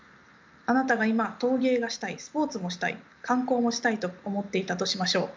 あなたが今陶芸がしたいスポーツもしたい観光もしたいと思っていたとしましょう。